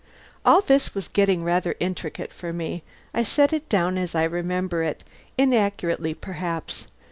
All this was getting rather intricate for me. I set it down as I remember it, inaccurately perhaps.